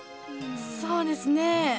そうですねぇ。